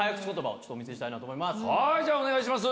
じゃあお願いします。